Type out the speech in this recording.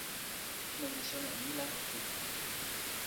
sina wile sona e ni la o pu.